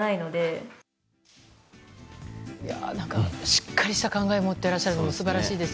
しっかりした考えを持っていらっしゃるのが素晴らしいです。